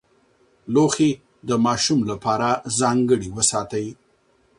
لوښي د ماشوم لپاره ځانګړي وساتئ.